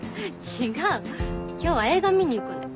違う今日は映画見に行くんだよ。